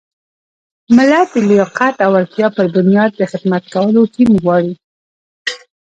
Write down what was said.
ملت د لیاقت او وړتیا پر بنیاد د خدمت کولو ټیم غواړي.